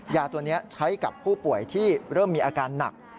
ยาตัวนี้ใช้กับผู้ป่วยที่เริ่มมีอาการหนัก